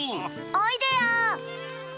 おいでよ！